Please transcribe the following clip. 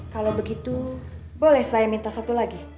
kalau begitu boleh saya minta satu lagi